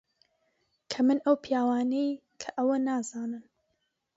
کەمن ئەو پیاوانەی کە ئەوە نازانن.